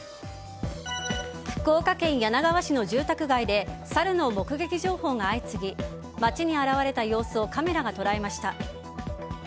福岡県柳川市の住宅街でサルの目撃情報が相次ぎ街に現れた様子をカメラが捉えました。